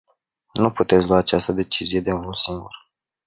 Nu puteți lua această decizie de unul singur.